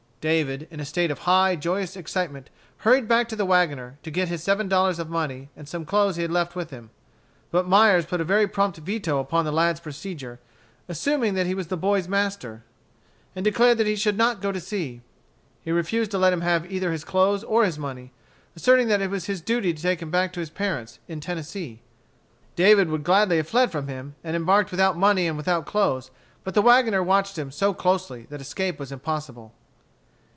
David, in a state of high, joyous excitement, hurried back to the wagoner, to get his seven dollars of money and some clothes he had left with him. But Myers put a very prompt veto upon the lad's procedure, assuming that he was the boy's master, he declared that he should not go to sea. He refused to let him have either his clothes or his money, asserting that it was his duty to take him back to his parents in Tennessee. David would gladly have fled from him, and embarked without money and without clothes; but the wagoner watched him so closely that escape was impossible.